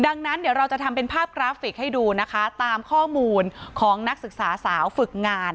ดังนั้นเดี๋ยวเราจะทำเป็นภาพกราฟิกให้ดูนะคะตามข้อมูลของนักศึกษาสาวฝึกงาน